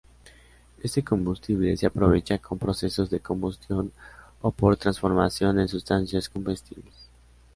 Este combustible se aprovecha con procesos de combustión o por transformación en sustancias combustibles.